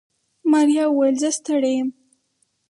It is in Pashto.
ماريا وويل زه ستړې يم.